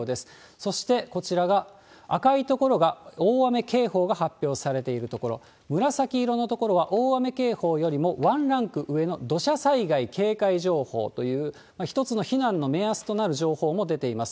そしてこちらが、赤い所が大雨警報が発表されている所、紫色の所は、大雨警報よりも１ランク上の土砂災害警戒情報という、一つの避難の目安となる情報も出ています。